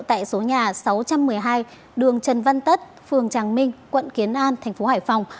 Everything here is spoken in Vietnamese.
tại số nhà sáu trăm một mươi hai đường trần văn tất phường tràng minh quận kiến an thành phố hải phòng